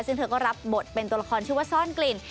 ซึ่งเธอก็รับบทเป็นตัวละครชื่อว่าซ่อนกลิ่น